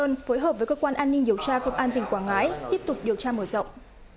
công an huyện lý sơn phối hợp với cơ quan an ninh điều tra công an tỉnh quảng ngãi tiếp tục điều tra mở rộng